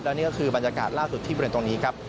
และนี่ก็คือบรรยากาศล่าสุดที่บริเวณตรงนี้ครับ